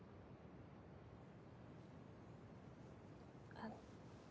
あっ。